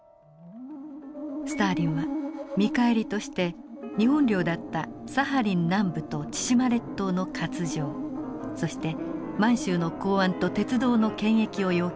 スターリンは見返りとして日本領だったサハリン南部と千島列島の割譲そして満州の港湾と鉄道の権益を要求しました。